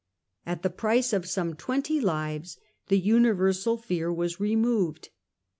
At the price of some twenty lives the universal fear was removed.